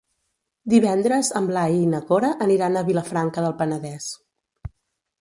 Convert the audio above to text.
Divendres en Blai i na Cora aniran a Vilafranca del Penedès.